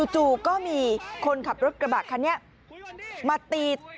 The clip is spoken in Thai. จู่ก็มีคนขับรถกระบะคันนี้มาตี